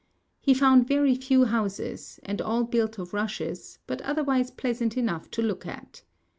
He found very few houses, and all built of rushes, but otherwise pleasant enough to look at.